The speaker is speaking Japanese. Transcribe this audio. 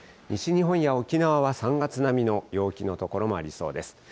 西日本や沖縄は３月並みの陽気の所もありそうです。